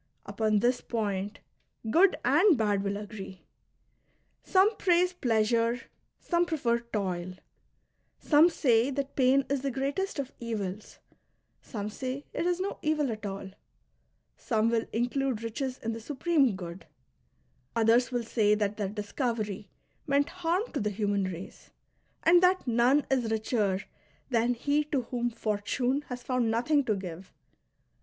Upon this point good and bad will agree. Some praise pleasure, some prefer toil ; some say that pain is the greatest of evils, some say it is no evil at all ; some will include riches in the Supreme Good, others will say that their discovery meant harm to the human race, and that none is richer than he to whom Fortune has found nothing to give.